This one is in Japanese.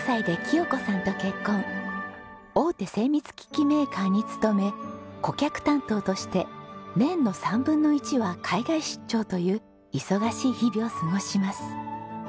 大手精密機器メーカーに勤め顧客担当として年の三分の一は海外出張という忙しい日々を過ごします。